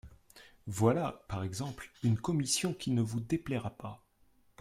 Voilà, par exemple, une commission qui ne vous déplaira pas.